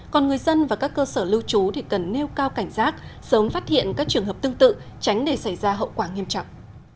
còn người dân và các cơ sở lưu trú thì cần nêu cao cảnh giác sớm phát hiện các trường hợp tương tự tránh để xảy ra hậu quả nghiêm trọng